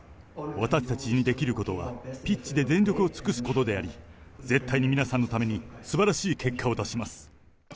私たちにできることはピッチで全力を尽くすことであり、絶対に皆さんのためにすばらしい結果を出します。